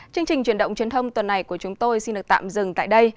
chương trình truyền động truyền thông tuần này của chúng tôi xin được tạm dừng tại đây